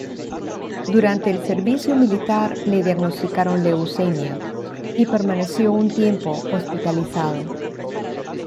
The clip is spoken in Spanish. Durante el servicio militar le diagnosticaron leucemia y permaneció un tiempo hospitalizado.